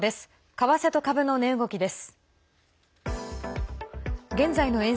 為替と株の値動きです。